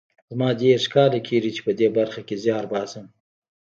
زما دېرش کاله کېږي چې په دې برخه کې زیار باسم